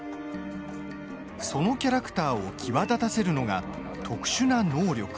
そのキャラクターを際立たせるのが、特殊な能力。